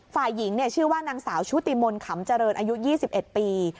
ฝ่ายหญิงชื่อว่านางสาวชุติมนต์ขำเจริญอายุ๒๑ปี